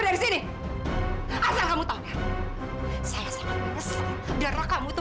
astaga papa tahu ya